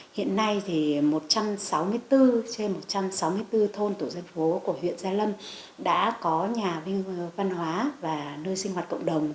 hiện nay một trăm sáu mươi bốn thôn tổ dân phố của huyện gia lâm đã có nhà văn hóa và nơi sinh hoạt cộng đồng